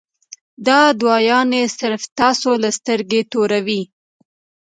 دا دوايانې صرف تاسو له سترګې توروي -